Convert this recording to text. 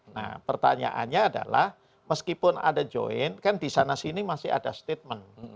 nah pertanyaannya adalah meskipun ada join kan di sana sini masih ada statement